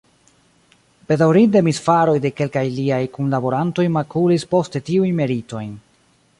Bedaŭrinde misfaroj de kelkaj liaj kunlaborantoj makulis poste tiujn meritojn.